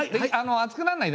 熱くならないで。